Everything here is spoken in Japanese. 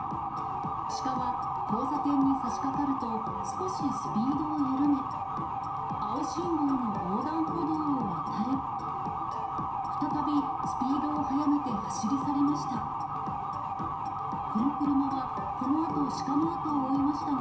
シカは交差点にさしかかると、少しスピードを緩め、青信号の横断歩道を渡り、再びスピードを速めて走り去りました。